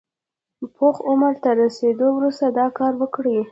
پوخ عمر ته له رسېدو وروسته دا کار وکړي.